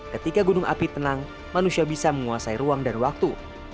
ketika gunung api tenang manusia bisa menguasai ruang dan waktu